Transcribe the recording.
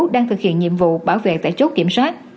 đang thực hiện nhiệm vụ bảo vệ tại chốt kiểm soát